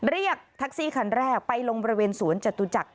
เรียกแท็กซี่คันแรกไปลงบริเวณสวนจตุจักร